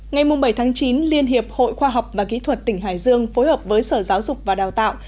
ngày bảy chín liên hiệp hội khoa học và kỹ thuật tỉnh hải dương phối hợp với sở giáo dục và đào tạo